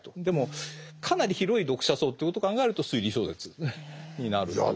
でもかなり広い読者層ということを考えると推理小説になる。